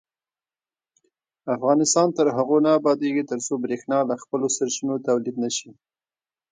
افغانستان تر هغو نه ابادیږي، ترڅو بریښنا له خپلو سرچینو تولید نشي.